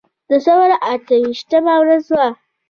د ثور اته ویشتمه ورځ وه.